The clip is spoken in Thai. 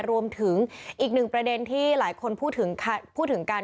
รวมถึงอีกหนึ่งประเด็นที่หลายคนพูดถึงกัน